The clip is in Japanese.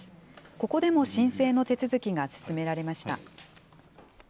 ここでも申請の手続きが進められました。